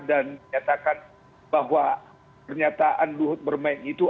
dan menyatakan bahwa pernyataan lukut bermain itu